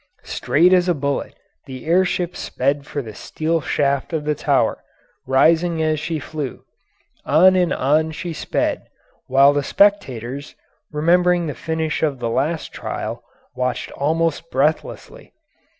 Straight as a bullet the air ship sped for the steel shaft of the tower, rising as she flew. On and on she sped, while the spectators, remembering the finish of the last trial, watched almost breathlessly.